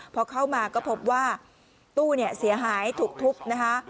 พอเข้ามาก็พบว่าตู้เสียหายถูกทุบนะคะ